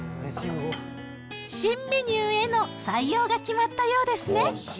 新メニューへの採用が決まったようですね。